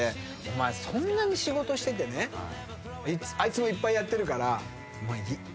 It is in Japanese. そんなに仕事しててねあいつもいっぱいやってるから。